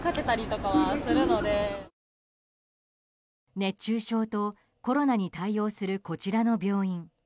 熱中症とコロナに対応するこちらの病院。